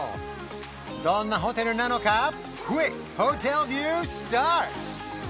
どんなホテルなのかスタート！